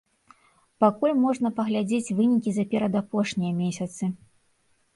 Пакуль можна паглядзець вынікі за перадапошнія месяцы.